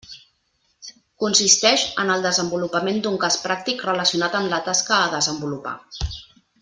Consisteix en el desenvolupament d'un cas pràctic relacionat amb la tasca a desenvolupar.